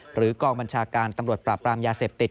กองบัญชาการตำรวจปราบรามยาเสพติด